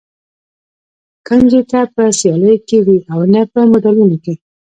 کنجي نه په سیالیو کې وي او نه په مډالونه کې.